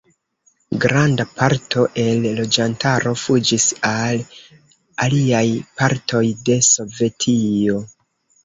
Granda parto el loĝantaro fuĝis al aliaj partoj de Sovetio.